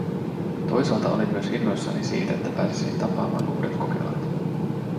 Toisaalta olin myös innoissani siitä, että pääsisin tapaamaan uudet kokelaat.